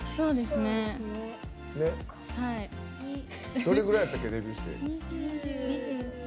どれぐらいやったっけデビューして。